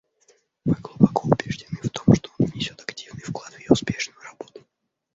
Мы глубоко убеждены в том, что он внесет активный вклад в ее успешную работу.